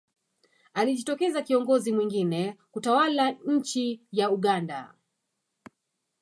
alijitokeza kiongozi mwingine kutawala nchi ya uganda